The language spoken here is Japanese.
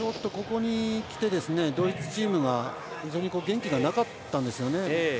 ここに来てドイツチームの元気がなかったんですね。